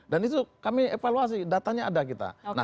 dan itu kami evaluasi datanya ada kita